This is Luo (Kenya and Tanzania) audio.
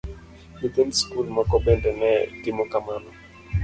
Nyithind skul moko bende ne timo kamano.